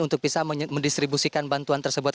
untuk bisa mendistribusikan bantuan tersebut